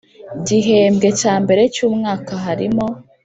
Gihembwe cya mbere cy umwaka harimo